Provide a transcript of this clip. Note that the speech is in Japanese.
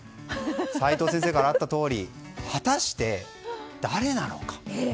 齋藤先生からあったとおり果たして、誰なのか。